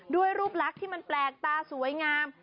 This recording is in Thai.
ด้วยรูปรักที่มันแปลกตาสวยงาม